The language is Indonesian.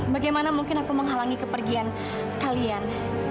bagaimana mungkin aku menghalangi kepergian kalian